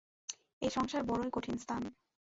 এ সংসার বড়ই কঠিন স্থান।